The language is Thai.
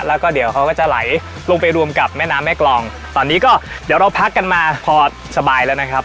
แล้วก็เดี๋ยวเขาก็จะไหลลงไปรวมกับแม่น้ำแม่กรองตอนนี้ก็เดี๋ยวเราพักกันมาพอสบายแล้วนะครับ